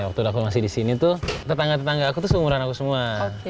waktu aku masih disini tuh tetangga tetangga aku tuh seumuran aku semua